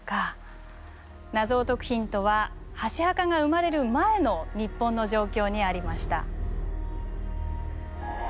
謎を解くヒントは箸墓が生まれる前の日本の状況にありました。